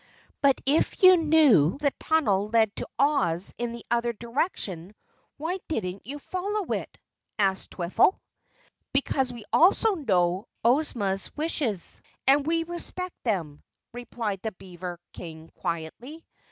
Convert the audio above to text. "But if you knew the tunnel led to Oz in the other direction, why didn't you follow it?" asked Twiffle. "Because we also know Ozma's wishes, and we respect them," replied the beaver King quietly.